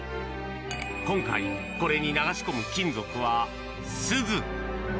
今回、これに流し込む金属はすず。